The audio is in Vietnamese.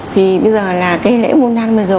thì bây giờ là cái lễ vu lan bây giờ